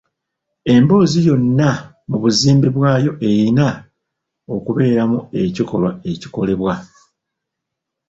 Emboozi yonna mu buzimbe bwayo eyina okubeeramu ekikolwa ekikolebwa.